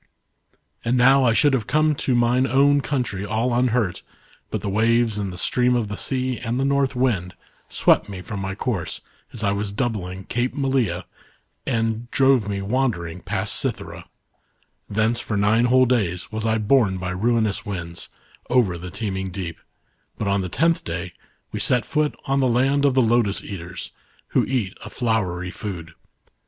And now I should have come to mine own country all unhurt, but the waves and the stream of the sea and the North Wind swept me from my course as I was doubling Cape Malea and dxave me wandering past Cythera. Thence for nine whole days, was I borne by ruinous winds, over the teeming deep ; but on the tenth day, we set foot on the land of the lotus eaters, who eat 1 See chapter 17. E 66 THE LOTUS .EATERS. a flowery food.